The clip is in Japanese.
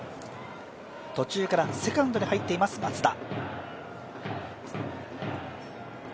途中からセカンドに入っています松田。